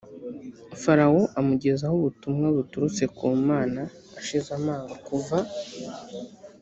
farawo amugezaho ubutumwa buturutse ku mana ashize amanga kuva